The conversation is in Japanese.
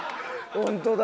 ホントだ。